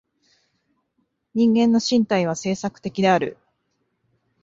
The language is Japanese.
人間の身体は制作的である。